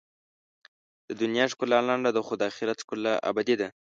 د دنیا ښکلا لنډه ده، خو د آخرت ښکلا ابدي ده.